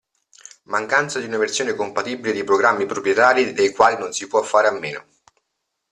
Mancanza di una versione compatibile di programmi proprietari dei quali non si può fare a meno.